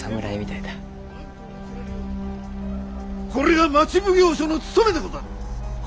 これが町奉行所の務めでござる。